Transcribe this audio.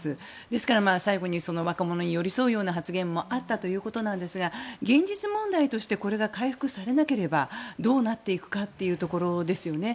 ですから最後に若者に寄り添うような発言もあったということなんですが現実問題としてこれが回復されなければどうなっていくかというところですよね。